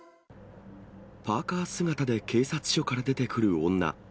パーカー姿で警察署から出てくる女。